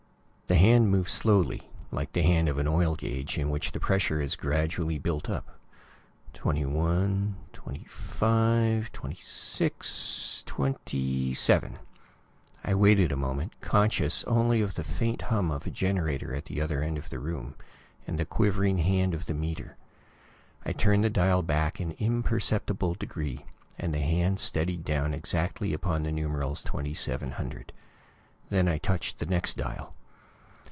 The hand moved slowly, like the hand of an oil gauge in which the pressure is gradually built up. Twenty one ... twenty five ... twenty six ... twenty seven. I waited a moment, conscious only of the faint hum of a generator at the other end of the room, and the quivering hand of the meter. I turned the dial back an imperceptible degree, and the hand steadied down exactly upon the numerals "2700." Then I touched the next dial.